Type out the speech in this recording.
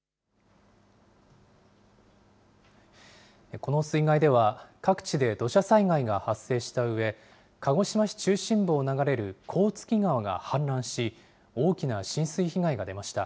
この水害では、各地で土砂災害が発生したうえ、鹿児島市中心部を流れる甲突川が氾濫し、大きな浸水被害が出ました。